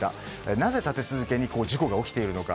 なぜ立て続けにこの事故が起きているのか。